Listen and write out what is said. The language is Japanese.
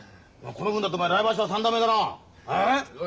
この分だと来場所は三段目だな。